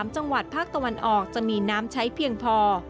๓จังหวัดภาคตะวันออกจะมีน้ำใช้เพียงพอ